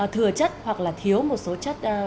thừa chất hoặc là thiếu một số chất